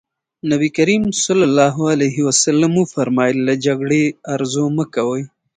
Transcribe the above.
نبي کريم ص وفرمايل له جګړې ارزو مه کوئ.